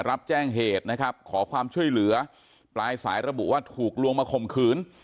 รับแจ้งเหตุนะครับขอความช่วยเหลือปลายสายระบุว่าถูกลวงมาข่มขืน